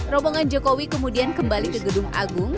rombongan jokowi kemudian kembali ke gedung agung